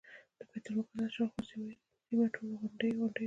د بیت المقدس شاوخوا سیمه ټوله غونډۍ غونډۍ ده.